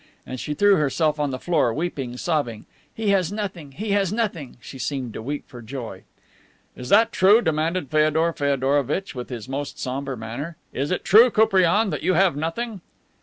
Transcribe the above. And she threw herself on the floor, weeping, sobbing, "He has nothing, he has nothing!" She seemed to weep for joy. "Is that true?" demanded Feodor Feodorovitch, with his most somber manner. "Is it true, Koupriane, that you have nothing?"